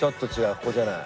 ここじゃない。